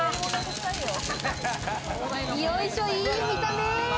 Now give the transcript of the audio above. よいしょ、いい見た目！